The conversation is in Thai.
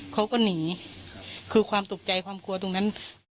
เขาก็หนีคือความตกใจความกลัวตรงนั้น